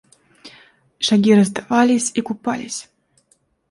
Шаги раздавались и купались.